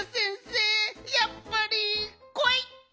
やっぱりこわい！